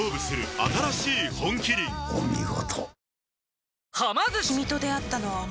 お見事。